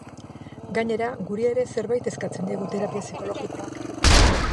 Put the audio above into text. Gainera, guri ere zerbait eskatzen digu terapia psikologikoak.